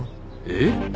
えっ？